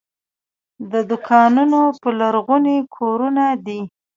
د دوکانونو پر لرغوني کورونه دي.